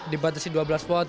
dibatasi dua belas watt